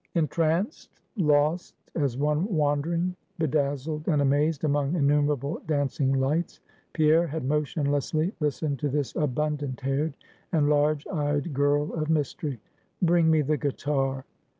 Entranced, lost, as one wandering bedazzled and amazed among innumerable dancing lights, Pierre had motionlessly listened to this abundant haired, and large eyed girl of mystery. "Bring me the guitar!"